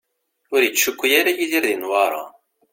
Ur yettcukku ara Yidir di Newwara.